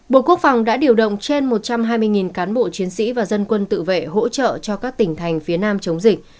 bộ quốc phòng đã điều động trên một trăm hai mươi cán bộ chiến sĩ và dân quân tự vệ hỗ trợ cho các tỉnh thành phía nam chống dịch